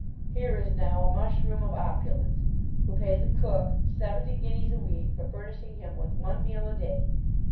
Here is now a mushroom of opulence, who pays a cook seventy guineas a week for furnishing him with one meal a day.